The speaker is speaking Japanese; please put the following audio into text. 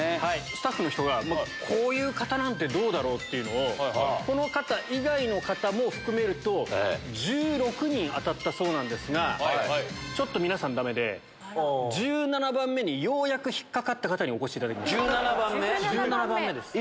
スタッフの人がこういう方なんてどうだろうっていうのをこの方以外の方も含めると１６人当たったそうなんですがちょっと皆さんダメで。にお越しいただきました。